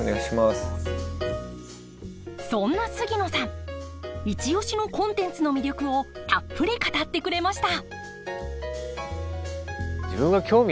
そんな杉野さんイチ推しのコンテンツの魅力をたっぷり語ってくれました。